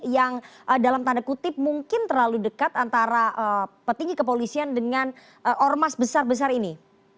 yang dalam tanda kutip mungkin terlalu dekat antara petinggi kepolisian dengan ormas besar besar ini